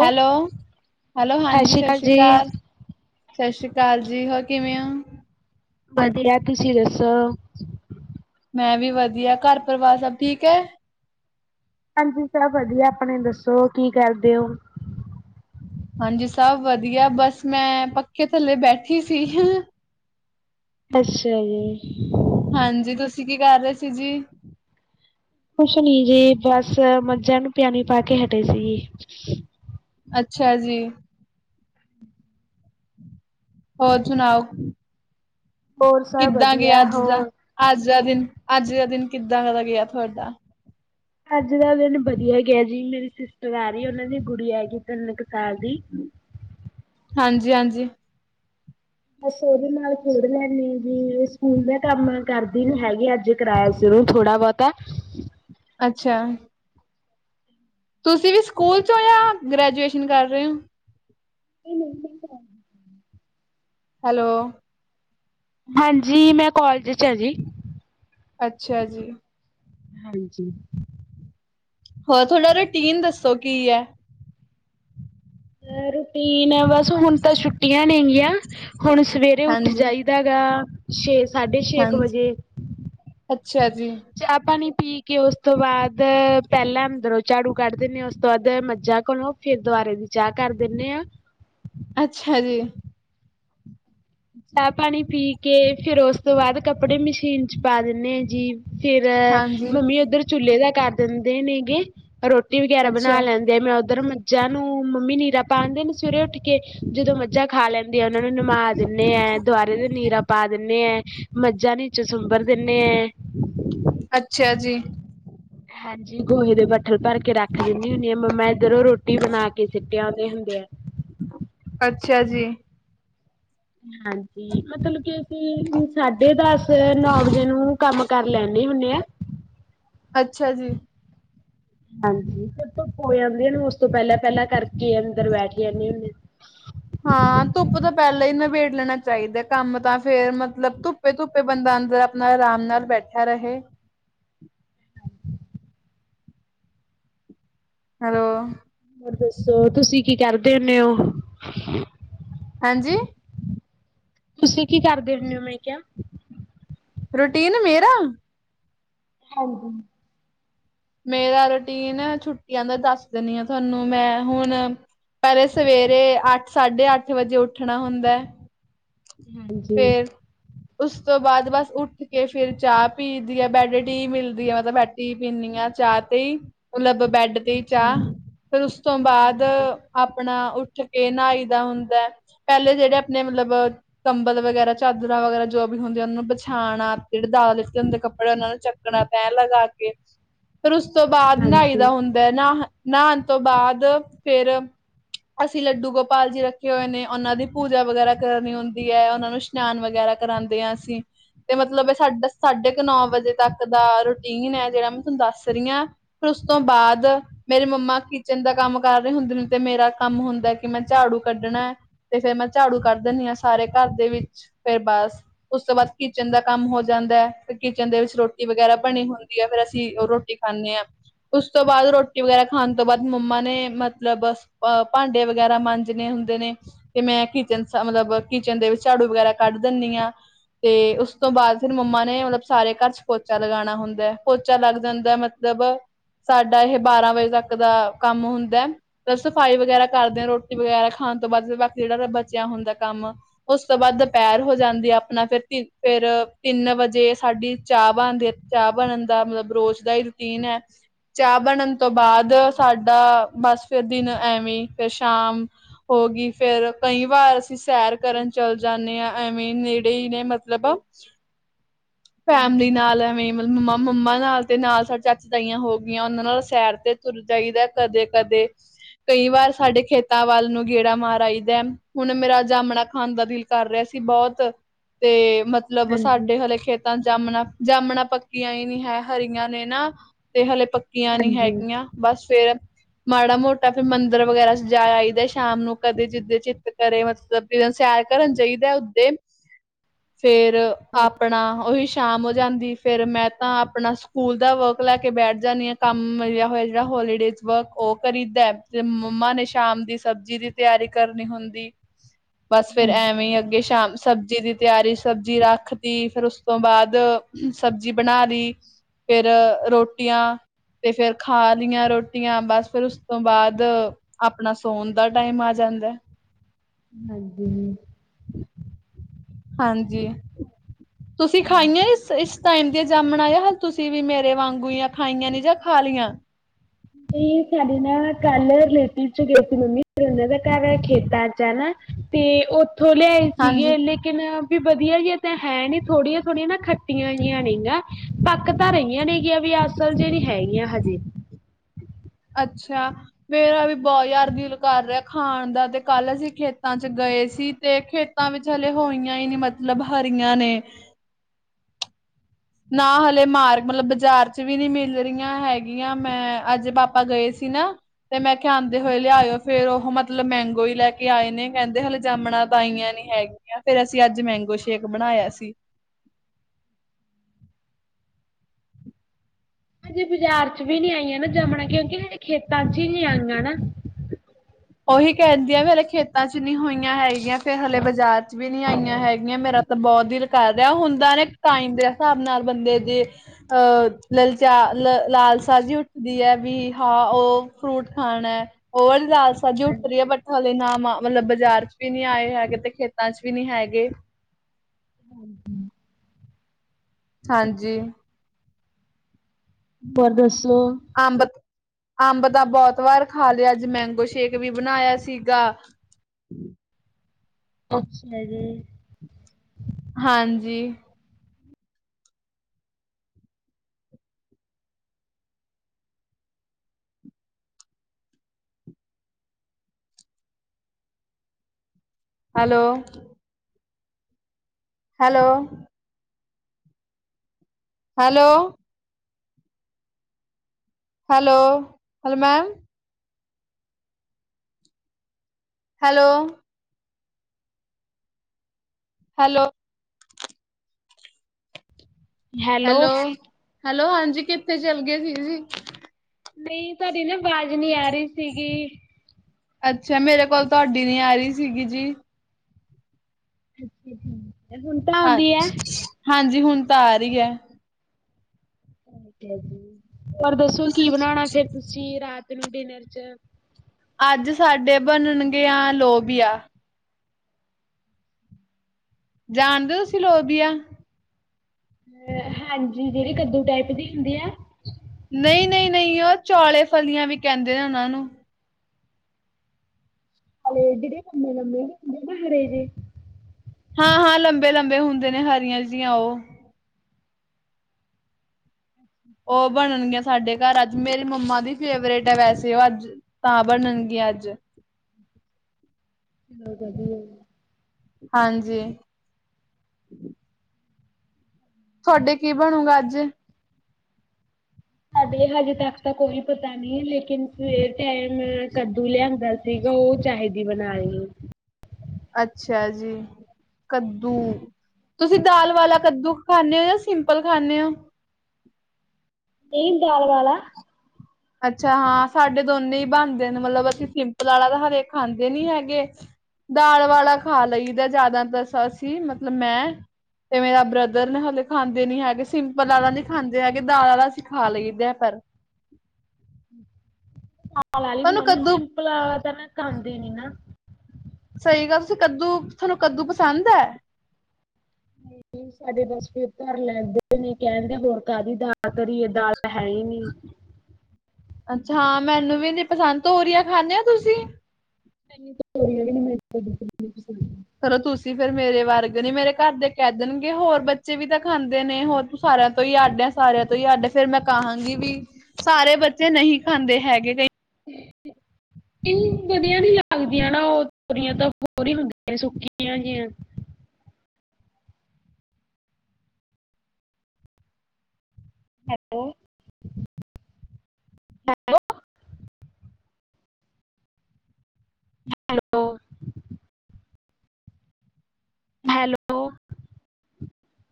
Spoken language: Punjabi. ਹੈਲੋ, ਹੈਲੋ ਸਤਿ ਹਾਂਜੀ ਸ਼੍ਰੀ ਅਕਾਲ ਸਾਛੀ ਜੀ, ਕਾਲ। ਸਾਛੀਕਾਲ੍ਰ ਜੀ ਹੋਰ ਕੇਵੇਂ ਓਂ? ਵਧੀਆ ਤੁਸੀਂ ਦੱਸੋ? ਮੈਂ ਵੀ ਵਧੀਆ ਘਰ ਪਰਿਵਾਰ ਸਭ ਠੀਕ ਐ? ਹਾਂਜੀ ਸਭ ਵਧੀਆ ਆਪਣੇ ਦੱਸੋ ਕੀ ਕਰਦੇ ਓ? ਹਾਂਜੀ ਸਭ ਵਧੀਆ ਬਸ ਮੈਂ ਪੱਖੇ ਥੱਲੇ ਬੈਠੀ ਸੀ। ਅੱਛਾ ਜੀ। ਹਾਂਜੀ ਤੁਸੀਂ ਕੀ ਕਰ ਰਏ ਸੀ ਜੀ? ਕੁਛ ਨੀ ਜੀ ਬਸ ਮੱਝਾਂ ਨੂੰ ਪਿਆਣੀ ਪਾ ਕੇ ਹਟੇ ਸੀ ਜੀ। ਅੱਛਾ ਜੀ। ਹੋਰ ਸੁਨਾਓ? ਹੋਰ ਸਭ ਕੀਦਾਂ ਗੇਆ ਵਧੀਆ ਅੱਜ ਦਾ ਹੋਰ ਅੱਜ ਦਾ ਦਿਨ ਅੱਜ ਦਾ ਦੇਨ ਕੀਦਾਂ ਗੇਆ ਤੁਆਡਾ? ਅੱਜ ਦਾ ਦਿਨ ਵਧੀਆ ਗੇਆ ਜੀ ਮੇਰੀ ਸਿਸਟਰ ਆ ਰਈ ਓਨਾਂ ਦੀ ਗੁੜੀ ਆ ਰਈ ਗੀ ਤੇਨ ਕਾ ਸਾਲ ਦੀ ਹਾਂਜੀ-ਹਾਂਜੀ। ਬਸ ਓਦੇ ਨਾਲ ਖੇਡ ਲੈਨ ਵੀ ਸਕੂਲ ਦਾ ਕੰਮ ਕਰਦੇ ਨੀ ਹੈਗੇ ਅੱਜ। ਕਰਇਆ ਸੁਰੂ ਥੋੜਾ ਬੋਤਾ ਅੱਛਾ। ਤੁਸੀਂ ਵੀ ਸਕੂਲ ਚੋਂ ਜਾਂ ਗ੍ਰੈਜੂਏਸ਼ਨ ਕਰ ਰਏ ਓਂ? ਹੈਲੋ। ਹਾਂਜੀ ਮੈਂ ਕੋਲਜ ਚ ਆ ਜੀ। ਅੱਛਾ ਜੀ। [inaudible] ਹੋਰ ਤੁਹਾਡਾ ਰੂਟੀਨ ਦੱਸੋ ਕੀ ਐ? ਰੂਟੀਨ ਐ ਬਸ ਹੁਣ ਤਾਂ ਛੁਟੀਆਂ ਨੇਗੀਆਂ ਹੁਣ ਸਵੇਰੇ ਉੱਠ ਹਾਂਜੀ, ਜਾਈ ਦਾ ਹੈਗਾ ਛੇ ਸਾਢੇ ਛੇ ਕ ਹਾਂਜੀ ਵਜੇ ਅੱਛਾ ਜੀ, ਚਾਅ-ਪਾਣੀ ਪੀ ਕੇ ਓਸ ਤੋਂ ਬਾਦ ਪੈਲਾਂ ਅੰਦਰੋਂ ਝਾੜੂ ਕੱਢ ਦੇਂਨੀ ਆ ਓਸ ਤੋਂ ਬਾਦ ਮੱਝਾਂ ਕੋਲੋਂ ਫੇਰ ਦੁਬਾਰੇ ਦੀ ਚਾਅ ਕਰ ਦੇਨੇ ਆਂ। ਅੱਛਾ ਜੀ। ਚਾਅ- ਪਾਣੀ ਪੀ ਕੇ ਫੇਰ ਓਸ ਤੋਂ ਬਾਦ ਕੱਪੜੇ ਮਸ਼ੀਨ ਚ ਪਾ ਦੇਨੇ ਆ ਜੀ ਫੇਰ ਹਾਂਜੀ, ਮੰਮੀ ਓਦਰ ਚੁਲੇ ਦਾ ਕਰ ਦੇਦੇ ਨੇਗੇ ਰੋਟੀ ਵਗੈਰਾ ਬਣਾ ਅੱਛਾ, ਲੈਂ ਫੇ ਮੈਂ ਓਧਰ ਮੱਝਾਂ ਨੂੰ ਮੰਮੀ ਨੀਰਾ ਪਾਅਦੇ ਨੇ ਸਵੇਰੇ ਉੱਠ ਕੇ ਜਦੋਂ ਮੱਝਾਂ ਖਾ ਲੈਂਦੀ ਆ ਓਨਾਂ ਨੂੰ ਨਵਾ ਦੇਨੇ ਐ ਦੁਆਰੇ ਦੇ ਨੀਰਾ ਪਾ ਦੀਨੇ ਐ ਮੱਝਾਂ ਨੀ ਚਸੁੰਬਰ ਦੇਂਨੇ ਐ ਅੱਛਾ ਜੀ। ਹਾਂਜੀ ਗੋਹੇ ਦੇ ਬੱਠਲ ਭਰ ਕੇ ਰੱਖ ਦੇਨੀ ਹੁਨੀ ਆ ਮੰਮਾ ਏਧਰੋਂ ਰੋਟੀ ਬਣਾ ਕੇ ਸੀ ਯਾਦਾ ਈ ਹੁੰਦੇ ਆ। ਅੱਛਾ ਜੀ। ਹਾਂਜੀ, ਮਤਲਬ ਕਿ ਅਸੀਂ ਸਾਢੇ ਦਸ ਨੌ ਵਜੇ ਨੂੰ ਕੰਮ ਕਰ ਲੈਣੇ ਹੁੰਨੇ ਆ। ਅੱਛਾ ਜੀ। [inaudible] ਹਾਂਜੀ ਫਿਰ ਧੁੱਪ ਹੋ ਜਾਂਦੀ ਆ ਉਸ ਤੋਂ ਪਹਿਲਾਂ ਪਹਿਲਾਂ ਕਰਕੇ ਅੰਦਰ ਬੈਠ ਜਾਣੇ ਹੁੰਨੇ। ਹਾਂ, ਧੁੱਪ ਤੋਂ ਪਹਿਲਾਂ ਈ ਨਵੇੜ ਲੈਣਾ ਚਾਹੀਦਾ ਕੰਮ ਤਾਂ ਫੇਰ ਮਤਲਬ ਧੁੱਪ ਫਿਰ ਧੁੱਪੇ ਬੰਦਾ ਅੰਦਰ ਆਪਣਾ ਆਰਾਮ ਨਾਲ ਬੈਠਾ ਰਹੇ। ਹੈਲੋ। ਹੋਰ ਦੱਸੋ ਤੁਸੀਂ ਕੀ ਕਰਦੇ ਹੁੰਦੇ ਓ? ਹਾਂਜੀ। ਤੁਸੀਂ ਕੀ ਕਰਦੇ ਹੁੰਨੇ ਓ ਮੈਂ ਕਿਆ। ਰੂਟੀਨ ਮੇਰਾ। ਹਾਂਜੀ। ਮੇਰਾ ਰੂਟੀਨ ਛੁੱਟੀਆਂ ਦਾ ਦੱਸ ਦੀਨੀ ਆ ਤੁਹਾਨੂੰ ਮੈਂ ਹੁਣ ਪਹਿਲੇ ਸਵੇਰੇ ਅੱਠ ਸਾਢੇ ਅੱਠ ਵਜੇ ਉੱਠਣਾ ਹੁੰਦਾ। ਹਾਂਜੀ ਫਿਰ [inaudible] ਉਸ ਤੋਂ ਬਾਅਦ ਬਸ ਉੱਠ ਕੇ ਫਿਰ ਚਾਹ ਪੀਈ ਦੀ ਆ ਬੈਡ ਟੀ ਮਿਲਦੀ ਐ ਮਤਲਬ ਬੈਠ ਟੀ ਪੀਣੀ ਆ ਚਾਹ ਤੇ ਮਤਲਬ ਬੈਡ ਤੇ ਅੱਛਾ। ਚਾਹ ਫੇਰ ਉਸ ਤੋਂ ਬਾਅਦ ਆਪਣਾ ਉੱਠ ਕੇ ਨਹਾਈ ਦਾ ਹੁੰਦਾ ਪਹਿਲੇ ਜਿਹੜੇ ਆਪਣੇ ਮਤਲਬ ਕੰਬਲ ਵਗੈਰਾ ਚਾਦਰਾਂ ਵਗੈਰਾ ਜੋ ਵੀ ਹੁੰਦੀਆਂ ਉਹਨਾਂ ਨੂੰ ਬਛਾਣਾ ਜਿਹੜੇ ਦਾਲੇ ਲੀਤੇ ਹੁੰਦੇ ਕੱਪੜੇ ਉਹਨਾਂ ਨੂੰ ਚੱਕਣਾ ਤਹਿ ਲਗਾ ਕੇ ਫੇਰ ਉਸ ਤੋਂ ਬਾਅਦ ਨਾਈ ਹਾਂਜੀ ਦਾ ਹੁੰਦਾ। ਨਹਾ ਨਹਾਣ ਤੋਂ ਬਾਅਦ ਫਿਰ ਅਸੀਂ ਲੱਡੂ ਗੋਪਾਲ ਜੀ ਰੱਖੇ ਹੋਏ ਨੇ ਉਹਨਾਂ ਦੀ ਪੂਜਾ ਵਗੈਰਾ ਕਰਨੀ ਹੁੰਦੀ ਦੀ ਐ ਉਹਨਾਂ ਨੂੰ ਇਸ਼ਨਾਨ ਵਗੈਰਾ ਕਰਾਂਦੇ ਆ ਅਸੀਂ। ਤੇ ਮਤਲਬ ਏ ਸਾਡ ਸਾਢੇ ਕ ਨੌ ਵਜੇ ਤੱਕ ਦਾ ਰੂਟੀਨ ਐ ਜਿਹੜਾ ਮੈਂ ਥੋਨੂੰ ਦੱਸ ਰੀ ਆ। ਫਿਰ ਉਸ ਤੋਂ ਬਾਅਦ ਮੇਰੇ ਮੰਮਾ ਕਿਚਨ ਦਾ ਕੰਮ ਕਰ ਰੇ ਹੁੰਦੇ ਨੇ ਤੇ ਮੇਰਾ ਕੰਮ ਹੁੰਦਾ ਕਿ ਮੈਂ ਝਾੜੂ ਕੱਢਣਾ। ਤੇ ਫੇਰ ਮੈਂ ਝਾੜੂ ਕੱਢ ਦੀਨੀ ਆ ਸਾਰੇ ਘਰ ਦੇ ਵਿੱਚ ਫੇਰ ਬਸ ਉਸ ਤੋਂ ਬਾਅਦ ਕਿਚਨ ਦਾ ਕੰਮ ਹੋ ਜਾਂਦਾ ਫਿਰ ਕਿਚਨ ਦੇ ਵਿੱਚ ਰੋਟੀ ਵਗੈਰਾ ਬਣੀ ਹੁੰਦੀ ਐ, ਫੇਰ ਅਸੀਂ ਓ ਰੋਟੀ ਖਾਣੇ ਆ ਉਸ ਤੋਂ ਬਾਅਦ ਰੋਟੀ ਵਗੈਰਾ ਖਾਣ ਤੋਂ ਬਾਅਦ ਮੰਮਾ ਨੇ ਮਤਲਬ, ਅਹ ਭਾਂਡੇ ਵਗੈਰਾ ਮਾਂਜਣੇ ਹੁੰਦੇ ਨੇ ਤੇ ਮੈਂ ਕਿਚਨ ਮਤਲਬ ਕਿਚਨ ਦੇ ਵਿੱਚ ਝਾੜੂ ਵਗੈਰਾ ਕੱਢ ਦਨੀ ਆ ਤੇ ਉਸ ਤੋਂ ਬਾਅਦ ਫੇਰ ਮੰਮਾ ਨੇ ਮਤਲਬ ਸਾਰੇ ਘਰ ਚ, ਪੋਚਾ ਲਗਾਣਾ ਹੁੰਦਾ ਪੋਂਚਾ ਲੱਗ ਜਾਂਦਾ ਮਤਲਬ ਸਾਡਾ ਇਹ ਬਾਰਾਂ ਵਜੇਂ ਤੱਕ ਦਾਂ ਕੰਮ ਹੁੰਦਾ। ਸਫ਼ਾਈ ਵਗੈਰਾ ਕਰਦੇ ਆਂ ਰੋਟੀ ਵਗੈਰਾ ਖਾਣ ਤੋਂ ਬਾਅਦ ਬਾਕੀ ਫਿਰ ਜਿਹੜਾ ਬਚਿਆ ਹੁੰਦਾ ਕੰਮ। ਉਸ ਤੋਂ ਬਾਅਦ ਦੁਪਹਿਰ ਹੋ ਜਾਂਦੀ ਆਪਣਾ ਫਿਰ ਫਿਰ ਤਿੰਨ ਵਜੇ ਸਾਡੀ ਚਾਹ ਬਣਦੀ ਐ ਚਾਹ ਬਣਨ ਦਾ ਮਤਲਬ ਰੋਜ਼ ਦਾ ਈ ਰੂਟੀਨ ਐ। ਚਾਹ ਬਣਨ ਤੋਂ ਬਾਅਦ ਹਾਂਜੀ ਸਾਡਾ ਬਸ ਫਿਰ ਦਿਨ ਐਵੇਂ ਫਿਰ ਸ਼ਾਮ ਹੋਗੀ ਫੇਰ ਕਈ ਵਾਰ ਅਸੀਂ ਸ਼ੈ ਕਰਨ ਚੱਲ ਜਾਣੇ ਆ ਐਵੇਂ ਨੇੜੇ ਈ ਨੇ ਮਤਲਬ। ਫੈਮਿਲੀ ਹਾਂਜੀ ਨਾਲ ਐਵੇਂ। ਮਤਲਬ ਮੰਮਾ ਮੰਮਾ ਨਾਲ ਤੇ ਨਾਲ ਸਾਡੇ ਚਾਚੀ ਤਾਈਆਂ ਹੋ ਗਈਆਂ ਉਹਨਾਂ ਨਾਲ ਸੈਰ ਤੇ ਤੁਰ ਜਾਈਦਾਂ ਕਦੇ ਕਦੇ। ਕਈ ਵਾਰ ਸਾਡੇ ਖੇਤਾਂ ਵੱਲ ਨੂੰ ਗੇੜਾ ਮਾਰ ਆਈਦਾ ਹੁਣ ਮੇਰਾ ਜਾਮਣਾ ਖਾਣ ਦਾ ਦਿਲ ਕਰ ਰਿਹਾ ਸੀ ਬੋਤ, ਤੇ ਹਾਂਜੀ ਮਤਲਬ ਹਾਂਜੀ ਸਾਡੇ ਹਲੇ ਖੇਤ ਤਾਂ ਜਾਮਣਾ -ਜਾਮਣਾ ਪੱਕੀਆਂ ਨੀ ਹੈ ਹਰੀਆਂ ਨੇ ਨਾ, ਤੇ ਹਲੇ ਪੱਕ ਪਕੀਆਂ ਨੀ ਹਾਂਜੀ। ਹੈਗੀਆਂ, ਬਸ ਫੇਰ ਮਾੜਾ ਮੋਟਾਂ ਫਿਰ ਮੰਦਿਰ ਵਗੈਰਾ ਜਾਈਦਾ ਸ਼ਾਮ ਨੂੰ ਕਦੇ ਜਿੱਦੇ ਚਿੱਤ ਕਰੇ ਮਤਲਬ ਨ ਸੈਰ ਕਰਨ ਜਾਹੀਦਾ ਉਦੇ, ਫੇਰ ਆਪਣਾ ਉਹੀ ਸ਼ਾਮ ਹੋ ਜਾਂਦੀ ਫਿਰ ਮੈਂ ਤਾਂ ਆਪਣਾ ਸਕੂਲ ਦਾਂ ਵਰਕ ਲੈਂ ਕੇ ਬੈਂਠ ਜਾਂਦੀ ਹਾਂ ਕੰਮ ਮਿਲਿਆਂ ਹੋਇਆਂ ਜਿਹੜਾਂ ਹੋਲੀਡੇ 'ਚ। ਵਰਕ ਉਹ ਕਰੀਦਾ ਤੇ ਮੰਮਾ ਨੇ ਸ਼ਾਮ ਦੀ ਸਬਜ਼ੀ ਦੀ ਤਿਆਰੀ ਕਰਨੀ ਹੁੰਦੀ। ਬਸ ਫਿਰ ਐਵੇਂ ਅੱਗੇ ਸ਼ਾਮ ਸਬਜ਼ੀ ਦੀ ਤਿਆਰੀ ਸਬਜ਼ੀ ਰੱਖਤੀ ਫਿਰ ਉਸ ਤੋਂ ਬਾਂਅਦ ਸਬਜ਼ੀ ਬਣਾ ਲੀ। ਫਿਰ ਰੋਟੀਆਂ ਤੇ ਫਿਰ ਖਾਂ ਲਈਆਂ ਰੋਟੀਆਂ ਬਸ ਫਿਰ ਉਸ ਤੋਂ ਬਾਂਅਦ ਆਪਣਾ ਸੌਂਣ ਦਾਂ ਟਾਈਮ ਆਂ ਜਾਂਦਾ ਐ। ਹਾਂਜੀ ਹਾਂਜੀ ਤੁਸੀਂ ਖਾਈਆਂ ਇਸ ਟਾਈਮ ਦੀ ਜਾਮਣ ਆਇਆ ਹ ਤੁਸੀਂ ਵੀ ਮੇਰੇ ਵਾਂਗੂਆਂ ਖਾਈਆਂ ਨੀ ਜਾਂ ਖਾ ਲਈਆਂ। ਨਹੀਂ ਸਾਡੇ ਨਾ ਕੱਲ ਰਿਲੇਟਿਵ ਚ, ਗਏ ਸੀ ਮੰਮੀ ਨਾਂ ਦਾ ਘਰ ਖੇਤਾਂ ਚ ਆ ਨਾ। ਤੇ ਉੱਥੋਂ ਲਿਆਏ ਸੀਗੇ ਹਾਂਜੀ। ਇੰ ਕਿ ਵੀ ਵਧੀਆ ਜ ਤਾਂ ਹੈ ਨੀ ਥੋੜੀਆਂ- ਥੋੜੀਆਂ ਨਾ ਖੱਟੀਆਂ ਜੀਆ ਨੇ ਗੀਆ। ਪੱਕ ਤਾਂ ਰਹੀਆਂ ਨੇ ਹੈਗੀਆਂ ਵੀ ਅਸਲ ਚ ਨੀ ਹੈਗੀਆਂ ਹਜੇ ਅੱਛਾ। ਮੇਰਾ ਵੀ ਬਹੁਤ ਯਾਰ ਦਿੱਲ ਕਰ ਰਿਹਾ ਖਾਣ ਦਾ ਤੇ ਕੱਲ ਅਸੀਂ ਖੇਤਾਂ ਚ ਗਏ ਸੀ ਤੇ ਖੇ ਤਾਂ ਵਿੱਚ ਹਲੇ ਹੋਈਆਂ ਹੀ ਨੀ ਮਤਲਬ ਹਰੀਆਂ ਨੇ ਨਾਂ ਹਲੇ ਮਾਰ ਮਤਲਬ ਬਾਜ਼ਾਰ ਚ ਵੀ ਨਹੀਂ ਮਿਲ ਰਹੀਆਂ ਹੈਗੀਆਂ ਮੈਂ ਅੱਜ ਪਾਪਾ ਗਏਂ ਸੀ ਨਾਂ। ਤੇ ਮੈਂ ਕਿਹਾ ਆਉਂਦੇ ਹੋਏ ਲਿਆਇਓ ਫੇਰ ਉਹ ਮਤਲਬ ਮੈਂਗੋ ਹੀ ਲੈ ਕੇ ਆਏ ਨੇ ਕਹਿੰਦੇ ਹਲੇ ਜਾਮਣਾਂ ਤਾਂ ਆਈਆਂ ਨੀ ਹੈਗੀਆਂ। ਕਿਆ ਓਈ ਅਸੀਂ ਅੱਜ ਮੈਂਗੋ ਸ਼ੇਕ ਬਣਾਇਆ ਸੀ। ਹਜੇ ਬਾਜ਼ਾਰ ਚ ਵੀ ਨਹੀਂ ਆਈਆਂ ਨਾ ਜਮਣਾ ਕਿਉਂਕਿ ਹਜੇ ਖੇਤਾਂ ਚ ਹੀ ਨੀ ਆਂਈਆ ਨਾ। ਉਹੀ ਕਹਿੰਦੀਆਂ ਮੇਰੇ ਖੇਤਾਂ ਚ ਨਹੀਂ ਹੋਈਆਂ ਹੈਗੀਆਂ ਫੇਰ ਹਲੇ ਬਾਜ਼ਾਰ ਚ ਵੀ ਨਹੀਂ ਆਈਆਂ ਹੈਗੀਆਂ ਮੇਰਾ ਬਹੁਤ ਦਿਲ ਕਰ ਰਿਹਾ ਉਹ ਹੁੰਦਾ ਨਾ ਟਾਇਨ ਦੇ ਹਿਸਾਬ ਨਾਲ ਬੰਦੇ ਜ ਅਹ ਲਲਚਾ ਲ ਲਾਲਸਾ ਜ਼ੀ ਉੱਠਦੀ ਐ। ਵੀ ਹਾਂ ਉਹ ਫਰੂਟ ਖਾਣਾ ਐ। ਹੋਰ ਲਾਲ ਸਾ ਜੀ ਉੱਠ ਰਹੀ ਹੈ ਬੱਟ ਹਾਲੇ ਨਾ -ਨਾ ਮਤਲਬ ਬਾਜ਼ਾਰ ਚ ਵੀ ਨੀ ਆਏ ਹੈਗੇ ਤੇ ਖੇਤਾਂ ਚ ਵੀ ਨੀ ਹੈਗੇ। ਹੂੰ ਹੂੰ ਹਾਂਜੀ ਪਰ ਦੱਸੋ। ਅੰਬ, ਅੰਬ ਦਾ ਬੋਤ ਵਾਰ ਖਾ ਲਿਆ ਅੱਜ ਮੈਂਗੋ ਸ਼ੇਕ ਵੀ ਬਣਾਇਆ ਸੀਗ। ਕੁੱਛ ਨਾ ਜੀ। ਹਾਂਜੀ hello hello hello hello, hello ma'am hello hello hello, hello ਹਾਂਜੀ ਕਿੱਥੇ ਚੱਲ ਗਏ ਸੀ ਜੀ? ਨਹੀਂ ਤੁਹਾਡੀ ਨਾ ਆਵਾਜ਼ ਨੀ ਆ ਰਹੀ ਸੀਗੀ। ਅੱਛਾ, ਮੇਰੇ ਕੋਲ ਤੁਹਾਡੀ ਨੀ ਆ ਰਹੀ ਸੀਗੀ ਜੀ। ਜੀ ਜੀ, ਹਾਂ ਹਾਂਜੀ, ਹੁਣ ਤਾਂ ਆ ਰਹੀ ਹੈ। ਜੀ ਹੋਰ ਦੱਸੋ ਕੀ ਤੁਸੀਂ ਬਣਾਉਣਾ ਫੇਰ ਤੁਸੀਂ, ਰਾਤ ਨੂੰ ਡਿਨਰ 'ਚ? ਅੱਜ, ਸਾਡੇ ਬਣਨਗੇ ਆ ਲੋਬੀਆ। ਜਾਣਦੇ ਹੋ ਤੁਸੀਂ ਲੋਬੀਆ? ਅ ਹਾਂਜੀ, ਜਿਹੜੀ ਕੱਦੂ ਟਾਈਪ ਦੀ ਹੁੰਦੀ ਆ? ਨਹੀਂ ਨਹੀਂ, ਨਹੀਂ, ਉਹ ਚੌਲੇ ਫਲੀਆਂ ਵੀ ਕਹਿੰਦੇ ਨੇ ਉਹਨਾਂ ਨੂੰ ਹਾਲੇ ਡਰੇ, ਕੰਮੇ ਗਰੇ ਹਾਂ ਹਾਂ, ਲੰਬੇ -ਲੰਬੇ, ਹੁੰਦੇ ਨੇ ਹਰੀਆਂ ਜਿਹੀ ਉਹ ਉਹ ਬਣਨਗੀਆਂ ਸਾਡੇ ਘਰ ਅੱਜ, ਮੇਰੀ ਮੰਮਾ ਦੀ ਫੇਵਰੇਟ ਹੈ ਵੈਸੇ ਉਹ, ਅੱਜ ਤਾਂ ਬਣਨਗ ਅੱਜ ਜੀ, ਵਧੀਆ। ਹਾਂਜੀ। ਤੁਹਾਡੇ ਕੀ ਬਣੂਗਾ ਅੱਜ? ਸਾਡੇ ਹਜੇ ਤੱਕ ਤਾਂ ਕੋਈ ਪਤਾ ਨੀ, ਲੇਕਿਨ ਸਵੇਰ ਟਾਈਮ ਕਦੂ ਲਿਆਂਦਾ ਸੀ। ਠੀਕ ਆ, ਉਹ ਚਾਹੀਦੀ ਬਣਾਉਣ ਨੂੰ ਅੱਛਾ ਜੀ, ਕੱਦੂ ਤੁਸੀਂ ਦਾਲ ਵਾਲਾ ਕੱਦੂ ਖਾਂਦੇ ਹੋ, ਜਾਂ ਸਿੰਪਲ ਖਾਂਦੇ ਹੋ? ਨਹੀ, ਦਾਲ ਵਾਲਾ। ਅੱਛਾ ਹਾਂ, ਸਾਡੇ ਦੋਨੇ ਹੀ ਬਣਦੇ ਨੇ, ਮਤਲਬ ਅਸੀਂ ਸਿੰਪਲ ਵਾਲਾ ਤਾਂ ਹਰੇਕ ਖਾਂਦੇ ਨੀ ਹੈਗੇ। ਦਾਲ ਵਾਲਾ ਖਾ ਲਈਦਾ ਜ਼ਿਆਦਾ, ਤਾਂਸਸੀਂ ਮਤਲਬ ਮੈਂ ਤੇ ਮੇਰਾ ਬ੍ਰਦਰ ਨੇ ਹਲੇ ਖਾਂਦੇ ਨੀ ਹੈਗੇ, ਸਿੰਪਲ ਵਾਲਾ ਨਹੀਂੀ ਖਾਂਦੇ ਹੈਗੇ, ਦਾਲ ਵਾਲਾ ਸਂਖਾ ਲਈਦੇ ਪਰ ਦਾਲ ਵਾਲੀ ਤੁਹਾਨੂੰ ਬਣਾਉਣੀ ਆ, ਕੱਦੂ ਸਿੰਪਲ ਤਾਂ ਮੈਂ ਖਾਂਦੀ ਨੀ ਨਾ। ਸਹੀ ਗੱਲ, ਤੁਸੀਂ ਕੱਦੂ ਤੁਹਾਨੂੰ ਕੱਦੂ ਪਸੰਦ ਹੈ? ਸਾਡੇ ਬਸ ਫਿਰ ਘਰ ਲੈਂਦੇ ਨੇ, ਕਹਿਣਦੇ ਹੋਰ ਕਾਹਦੀ ਦਾਲ ਤਰੀਏ ਦਾਲ ਤਾਂ ਹੈ ਨੀ ਅੱਛਾਾਂ ਹਾਂ, ਮੈਨੂੰ ਵੀ ਨੀ ਪਸੰਦ, ਤੋਰੀਆ ਖਾਂਦੇ ਹੋ ਤੁਸੀਂ? [unintelligible] ਚਲੋ ਤੁਸੀਂ ਫੇਿਰ ਮੇਰੇ ਵਰਗ ਨੀ, ਮੇਰੇ ਘਰ ਦੇ ਕਹਿ ਦੇਣਗੇ ਹੋਰ ਬੱਚੇ ਵੀ ਤਾਂ ਖਾਂਦੇ ਨੇ ਹੋਰ ਸਾਰਿਆਂ ਤੋਂ ਹੀ ਅੱਡ ਹੈ, ਸਾਰਿਆਂ ਤੋਂ ਹੀ ਅੱਡ, ਫੇਰ ਮੈਂ ਕਹਾਂਗੀ ਵੀ ਸਾਰੇ ਬੱਚੇ ਨਹੀਂ ਖਾਂਦੇ ਹੈਗੇ, ਕਈ ਹ [unintelligible] ਵਧੀਆ ਨੀ ਲੱਗਦੀਆਂ ਨਾ, ਉਹ ਤੋਰੀਆਂ ਤਾਂ ਹੋਰ ਹੀ ਹੁੰਦੀਆਂ ਨੇ ਸੁੱਕੀਆਂ ਜਿਹੀ ਹੈਲੋ। Hello hello. ਹੈਲੋ।